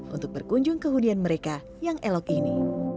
untuk berkunjung ke hunian mereka yang elok ini